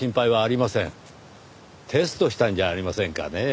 テストしたんじゃありませんかねぇ。